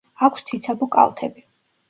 აქვს ციცაბო კალთები.